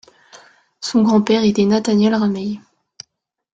Son grand-père était Nathaniel Ramey.